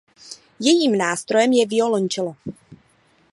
Jejím nástrojem je violoncello.